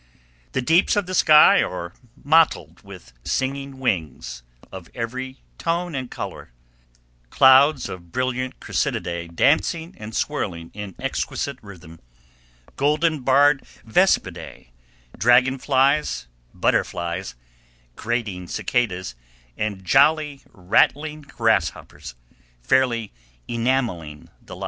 The deeps of the sky are mottled with singing wings of every tone and color; clouds of brilliant chrysididae dancing and swirling in exquisite rhythm, golden barred vespidae, dragon flies, butterflies, grating cicadas, and jolly, rattling grasshoppers, fairly enameling the light.